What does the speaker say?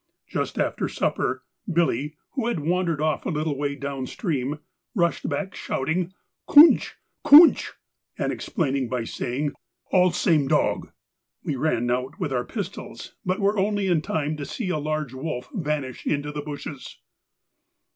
Just after supper, Billy, who had wandered off a little way down stream, rushed back shouting, 'Coonch, coonch!' and explained by saying, 'All same dog.' We ran out with our pistols, but were only in time to see a large wolf vanish into the bushes.